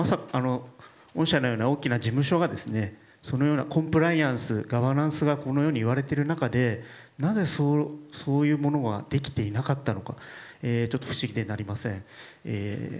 御社のような大きな事務所がそのようなコンプライアンスガバナンスがこのように言われている中でなぜそういうものができていなかったのかちょっと不思議でなりません。